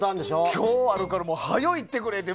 今日は、あるからはよいってくれって。